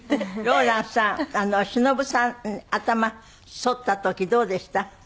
ローランさんしのぶさん頭剃った時どうでした？